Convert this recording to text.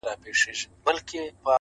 پاچا که د جلاد پر وړاندي، داسي خاموش وو،